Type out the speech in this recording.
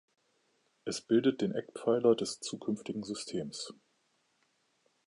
Es bildet den Eckpfeiler des zukünftigen Systems.